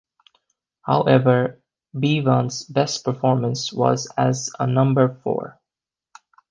However, Bevan's best performance was as a number four.